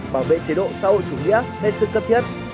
bảo vệ chế độ xã hội chủ nghĩa đến sự cấp thiết